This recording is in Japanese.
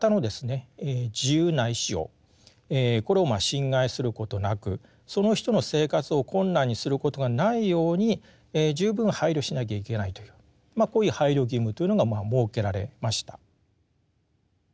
自由な意思をこれを侵害することなくその人の生活を困難にすることがないように十分配慮しなきゃいけないというこういう配慮義務というのがまあ設けられました。